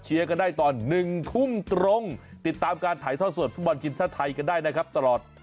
เชียร์กันได้ตอน๑ทุ่มตรงติดตามการถ่ายท่อส่วนฟุตบอลจินทรัฐไทยกันได้นะครับตลอด